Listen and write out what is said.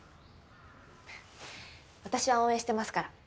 私は応援してますから。